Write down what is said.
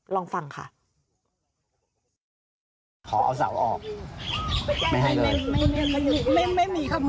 ลองฟังค่ะ